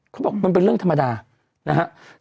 เขาบอกมันเป็นเรื่องธรรมดานะครับ